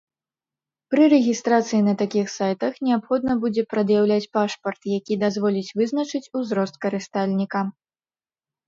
Пры рэгістрацыі на такіх сайтах неабходна будзе прад'яўляць пашпарт, які дазволіць вызначыць узрост карыстальніка.